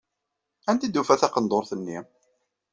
Anda ay d-tufa taqendurt-nni?